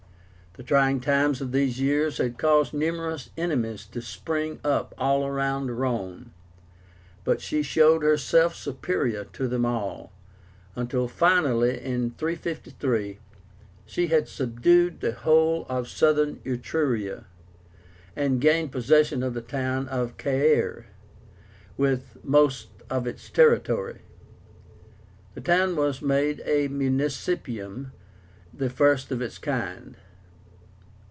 The trying times of these years had caused numerous enemies to spring up all around Rome; but she showed herself superior to them all, until finally, in 353, she had subdued the whole of Southern Etruria, and gained possession of the town of CAERE, with most of its territory. The town was made a MUNICIPIUM, the first of its kind.